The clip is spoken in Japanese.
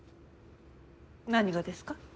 何がですか？